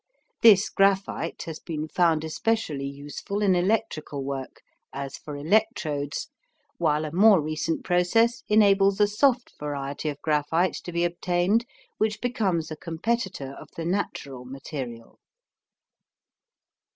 This graphite has been found especially useful in electrical work as for electrodes, while a more recent process enables a soft variety of graphite to be obtained which becomes a competitor of the natural material.